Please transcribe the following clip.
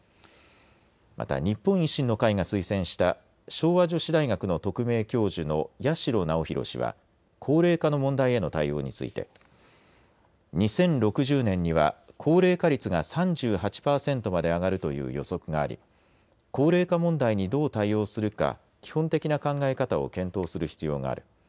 また日本維新の会が推薦した昭和女子大学の特命教授の八代尚宏氏は高齢化の問題への対応について２０６０年には高齢化率が３８％まで上がるという予測があり高齢化問題にどう対応するか、基本的な考え方を検討する必要がある。